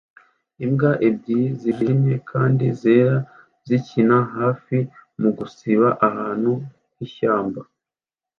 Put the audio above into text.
Imbwa ebyiri zijimye kandi zera zikina hafi mugusiba ahantu h'ishyamba